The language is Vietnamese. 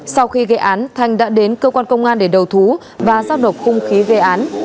sau khi gây án thanh đã đến cơ quan công an để đầu thú và giao nộp hung khí gây án